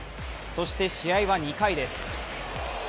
そして試合は２回です。